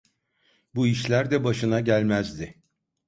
Bu işler de başına gelmezdi.